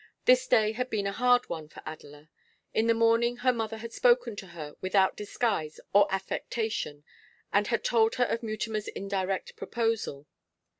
This day had been a hard one for Adela. In the morning her mother had spoken to her without disguise or affectation, and had told her of Mutimer's indirect proposal.